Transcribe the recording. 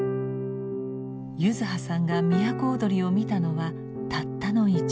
柚子葉さんが都をどりを見たのはたったの一度。